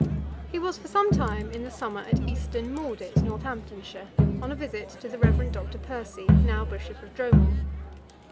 He was for some time in the summer at Easton Maudit, Northamptonshire, on a visit to the Reverend Dr. Percy, now Bishop of Dromore.